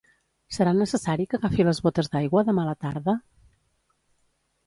Serà necessari que agafi les botes d'aigua demà a la tarda?